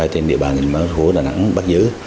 trên địa bàn của đà nẵng bắc dứ